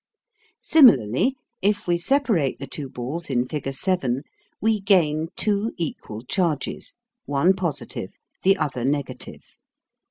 Similarly, if we separate the two balls in figure 7, we gain two equal charges one positive, the other negative.